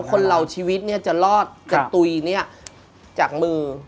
คนเราชีวิตเนี่ยจะรอดจะตุ๋ยจากมือ